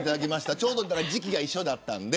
ちょうど時期が一緒だったんで。